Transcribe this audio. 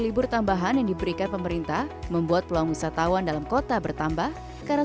libur tambahan yang diberikan pemerintah membuat peluang wisatawan dalam kota bertambah karena